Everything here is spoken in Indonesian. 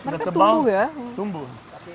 ya sudah sembang